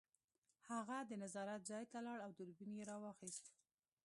هغه د نظارت ځای ته لاړ او دوربین یې راواخیست